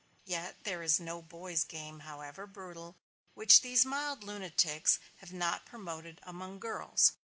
Yet there is no boy's game, however brutal, which these mild lunatics have not promoted among girls.